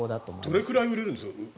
どれくらい売れるんですか？